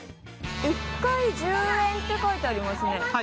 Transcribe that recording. １回１０円って書いてありますね。